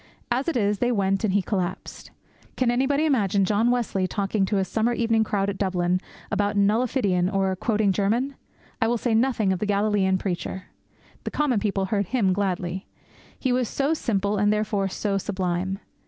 As it is, they went and he collapsed. Can anybody imagine John Wesley talking to his summer evening crowd at Dublin about 'nullifidian,' or quoting German? I will say nothing of the Galilean preacher. The common people heard Him gladly. He was so simple and therefore so sublime.